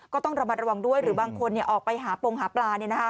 ก็ต้องระมัดระวังด้วยหรือบางคนออกไปหาปงหาปลา